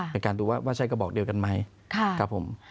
เป็นการดูว่าใช่กระบอกเดียวกันไหม